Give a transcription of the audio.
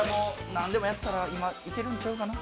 なんでもやったら今いけるんちゃうかな？